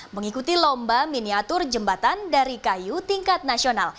mengikuti lomba miniatur jembatan dari kayu tingkat nasional